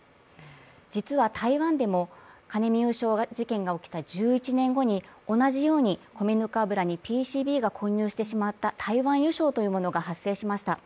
実は台湾でも、カネミ油症事件が起きた１１年後に同じように米ぬか油にＰＣＢが混入してしまった台湾油症というものが発生しました。